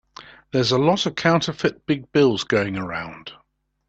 There's a lot of counterfeit big bills going around.